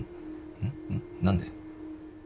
うん？何で？